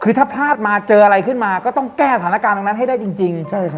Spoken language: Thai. คือถ้าพลาดมาเจออะไรขึ้นมาก็ต้องแก้สถานการณ์ตรงนั้นให้ได้จริง